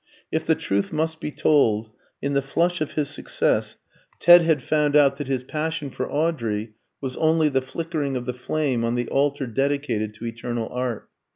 If the truth must be told, in the flush of his success Ted had found out that his passion for Audrey was only the flickering of the flame on the altar dedicated to eternal Art.